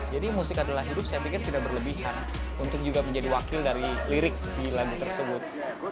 jadi musik adalah hidup saya pikir tidak berlebihan untuk juga menjadi wakil dari lirik di lagu tersebut